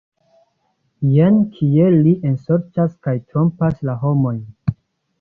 Jen kiel li ensorĉas kaj trompas la homojn!